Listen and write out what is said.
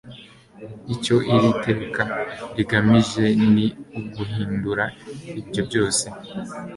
icyo iri teka rigamije ni uguhindura ibyo byose